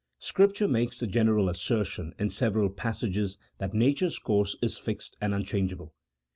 Scripture makes the general assertion in several passages that nature's course is fixed and unchangeable.